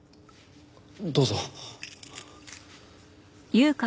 どうぞ。